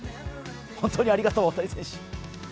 本当にありがとう、大谷選手。